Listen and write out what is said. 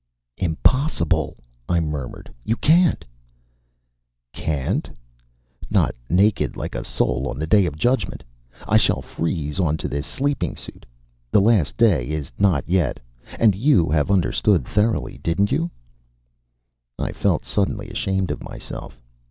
"Impossible!" I murmured. "You can't." "Can't?... Not naked like a soul on the Day of Judgment. I shall freeze on to this sleeping suit. The Last Day is not yet and... you have understood thoroughly. Didn't you?" I felt suddenly ashamed of myself.